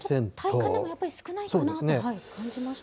体感でもやっぱり少ないかなと感じました。